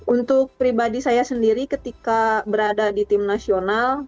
untuk pribadi saya sendiri ketika berada di tim nasional